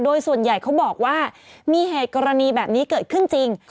โดยส่วนใหญ่เขาบอกว่ามีเหตุกรณีแบบนี้เกิดขึ้นจริง